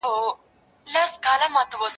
ما پرون د سبا لپاره د کور کارونه وکړ..